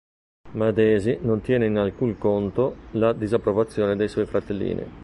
Ma Daisy non tiene in alcun conto la disapprovazione dei suoi fratellini.